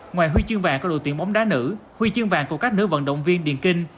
ngoài huy chương vàng có đội tuyển bóng đá nữ huy chương vàng của các nữ vận động viên điền kinh